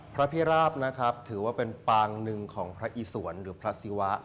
พระพิราบนะครับถือว่าเป็นปางหนึ่งของพระอิสวนหรือพระศิวะ